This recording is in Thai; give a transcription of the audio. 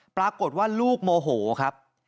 ปรากฏว่าลูกโมโหครับ